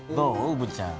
うぶちゃん。